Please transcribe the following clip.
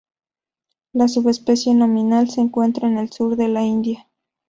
La subespecie nominal se encuentra en el sur de la India.